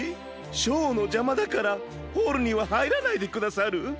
ショーのじゃまだからホールにははいらないでくださる？